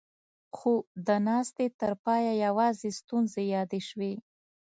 خو د ناستې تر پايه يواځې ستونزې يادې شوې.